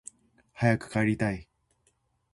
早く帰りたい